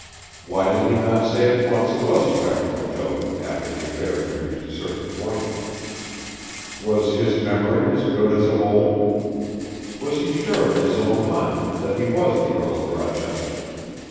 Why did he not say at once it was a practical joke after the affair had reached a certain point? Was his memory as good as of old? Was he sure in his own mind that he was the Earl of Rochester?